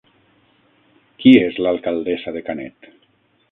Qui és l'alcaldessa de Canet?